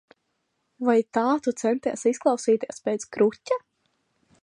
Vai tā tu centies izklausīties pēc kruķa?